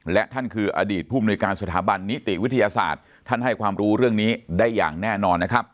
และท่านคืออดีตผู้มนุยการสถาบันนิติวิทยาศาสตร์ท่านให้ความรู้เรื่องนี้ได้อย่างแน่นอนนะครับ